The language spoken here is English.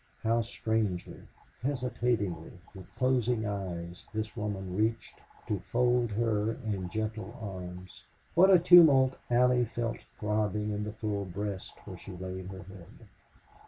How strangely, hesitatingly, with closing eyes, this woman reached to fold her in gentle arms. What a tumult Allie felt throbbing in the full breast where she laid her head.